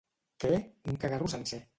—Què? —Un cagarro sencer.